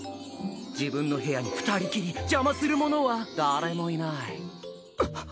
自分の部屋に２人きり邪魔する者は誰もいない。